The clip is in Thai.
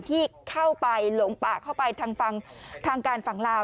ที่เข้าไปหลงป่าเข้าไปทางการฝ่างลาว